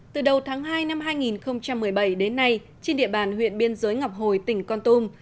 từ đầu tháng hai năm hai nghìn một mươi bảy đến nay trên địa bàn huyện biên giới ngọc hồi tỉnh con tum